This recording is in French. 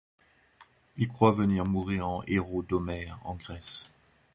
Il croit venir mourir en héros d'Homère en Grèce.